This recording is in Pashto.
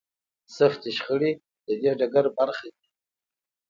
سختې شخړې د دې ډګر برخه دي.